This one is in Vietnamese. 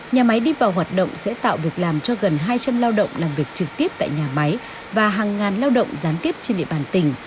nhà máy đi vào hoạt động sẽ tạo việc làm cho gần hai trăm linh lao động làm việc trực tiếp tại nhà máy và hàng ngàn lao động gián tiếp trên địa bàn tỉnh